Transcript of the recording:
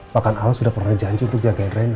bahkan aos sudah pernah janji untuk jagain rena